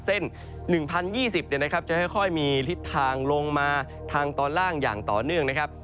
เส้น๑๐๒๐จะค่อยมีทิศทางลงมาทางตอนล่างอย่างต่อเนื่องนะครับ